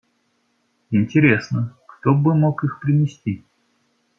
Интересно, кто бы мог их принести?